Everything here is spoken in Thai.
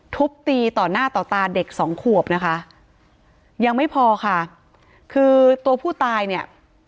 ทุบตีต่อหน้าต่อตาเด็กสองขวบนะคะยังไม่พอค่ะคือตัวผู้ตายเนี่ย